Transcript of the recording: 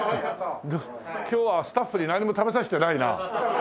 今日はスタッフに何も食べさせてないな。